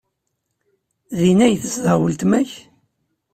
Din ay tezdeɣ weltma-k?